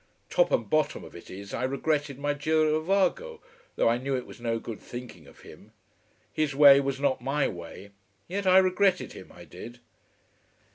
Top and bottom of it is, I regretted my girovago, though I knew it was no good thinking of him. His way was not my way. Yet I regretted him, I did.